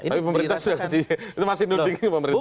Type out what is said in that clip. tapi pemerintah sudah masih nudging pemerintah